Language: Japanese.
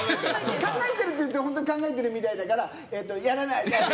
考えてるって言うとホントに考えてるみたいだからやらない。